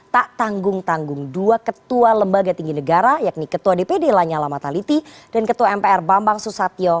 tak tanggung tanggung dua ketua lembaga tinggi negara yakni ketua dpd lanyala mataliti dan ketua mpr bambang susatyo